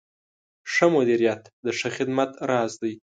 ښه مدیریت د ښه خدمت راز دی.